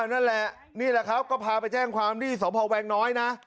นั่นแหละนี่แหละครับก็พาไปแจ้งความที่สพแวงน้อยนะ